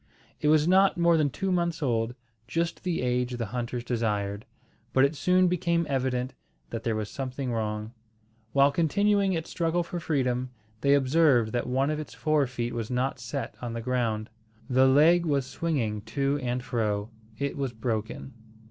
It was not more than two months old, just the age the hunters desired, but it soon became evident that there was something wrong. While continuing its struggle for freedom, they observed that one of its fore feet was not set on the ground. The leg was swinging to and fro. It was broken.